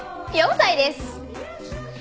４歳です。